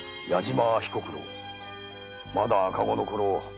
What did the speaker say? まだ赤子のころ